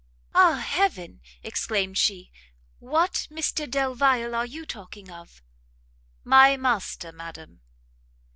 "Ah heaven!" exclaimed she, "what Mr Delvile are you talking of?" "My master, madam."